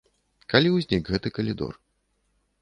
Калі ўзнік гэты калідор?